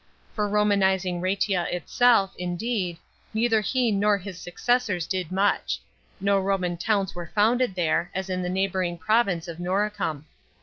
For Romanising Rsetia itseif, indeed, neither he nor his successors did much ; no Roman towns were founded here, as in the neighbouring province of Noricum.